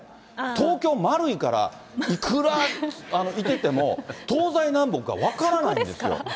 東京、丸いから、いくらいてても、東西南北が分からないんですよ。